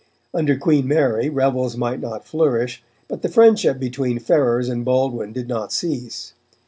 Under Queen Mary, revels might not flourish, but the friendship between Ferrers and Baldwin did not cease.